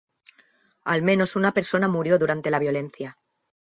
Al menos una persona murió durante la violencia.